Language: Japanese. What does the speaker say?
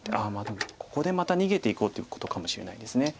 ああでもここでまた逃げていこうということかもしれないです。